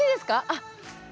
あっ。